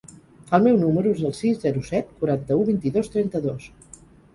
El meu número es el sis, zero, set, quaranta-u, vint-i-dos, trenta-dos.